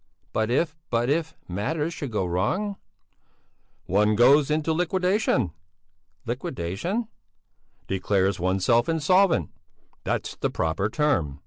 But if but if matters should go wrong...." "One goes into liquidation!" "Liquidation?" "Declares oneself insolvent! That's the proper term.